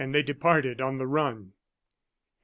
And they departed on the run.